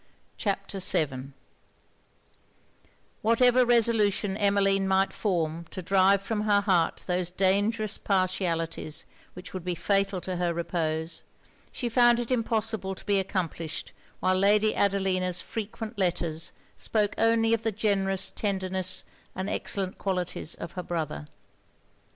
CHAPTER VII Whatever resolution Emmeline might form to drive from her heart those dangerous partialities which would be fatal to her repose, she found it impossible to be accomplished while Lady Adelina's frequent letters spoke only of the generous tenderness and excellent qualities of her brother.